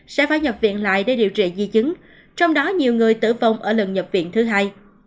sẽ phải nhập viện lại để điều trị di chứng trong đó nhiều người tử vong ở lần nhập viện thứ hai